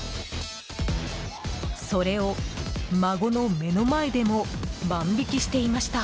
それを、孫の目の前でも万引きしていました。